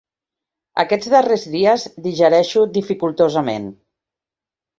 Aquests darrers dies digereixo dificultosament.